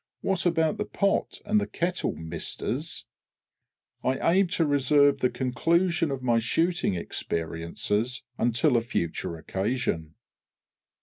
What about the Pot and the Kettle, Misters? I am to reserve the conclusion of my shooting experiences until a future occasion.